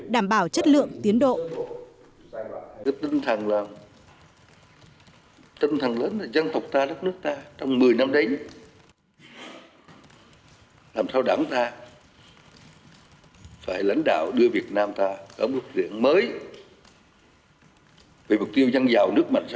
đảm bảo chất lượng tiến độ